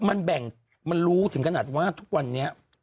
มันแบ่งมันรู้ถึงขนาดว่าทุกวันนี้